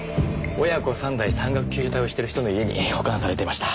親子三代山岳救助隊をしてる人の家に保管されていました。